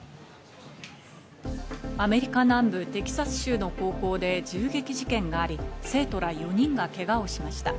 アメリカ南部テキサス州の高校で銃撃事件があり、生徒ら４人がけがをしました。